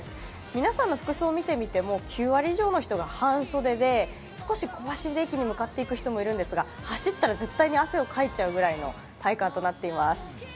皆さんの服装を見ても、９割以上の人が半袖で少し小走りで駅に入っていく人もいるんですが走ったら絶対に汗をかいちゃうくらいの体感となっています。